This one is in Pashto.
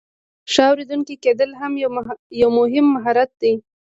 ښه اوریدونکی کیدل هم یو مهم مهارت دی.